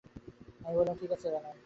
আমি বললাম, ঠিক আছে, বানান।